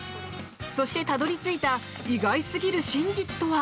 そして、たどり着いた意外すぎる真実とは？